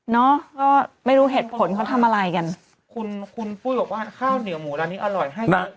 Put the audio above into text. เนอะก็ไม่รู้เหตุผลเขาทำอะไรกันคุณคุณปุ้ยบอกว่าข้าวเหนียวหมูร้านนี้อร่อยให้เยอะ